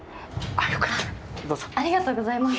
ありがとうございます。